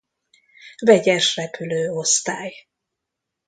Vegyes Repülő Osztály.